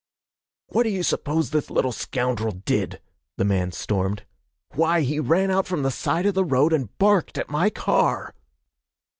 'What do you suppose this little scoundrel did?' the man stormed. 'Why, he ran out from the side of the road and barked at my car!'